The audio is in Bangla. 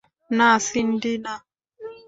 না, সিন্ডি, না!